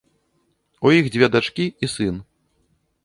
У іх дзве дачкі і сын.